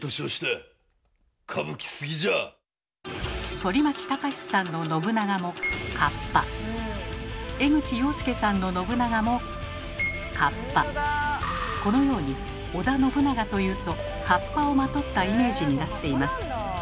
反町隆史さんの信長も江口洋介さんの信長もこのように織田信長というとかっぱをまとったイメージになっています。